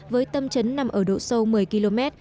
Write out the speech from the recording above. với tâm trấn nằm ở độ sâu một mươi km